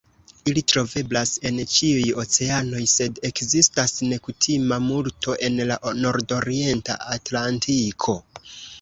Ili troveblas en ĉiuj oceanoj, sed ekzistas nekutima multo en la nordorienta Atlantiko.